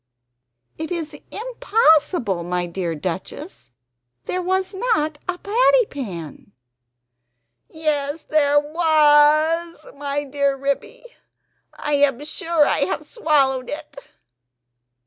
"It is impossible, my dear Duchess; there was not a patty pan." "Yes there WAS, my dear Ribby, I am sure I have swallowed it!"